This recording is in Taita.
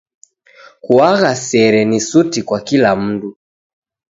Kuagha sere ni suti kwa kila mndu.